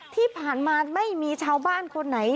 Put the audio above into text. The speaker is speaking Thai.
ที่ผ่านมาไม่มีชาวบ้านคนไหน